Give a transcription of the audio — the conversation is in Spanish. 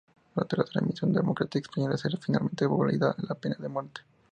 Durante la transición democrática española, será finalmente abolida la pena de muerte.